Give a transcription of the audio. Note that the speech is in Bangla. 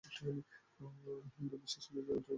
হিন্দু বিশ্বাস অনুযায়ী অযোধ্যা হল রামের জন্মভূমি।